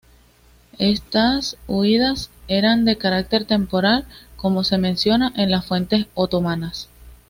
Estas huidas eran de carácter temporal, como se menciona en las fuentes otomanas.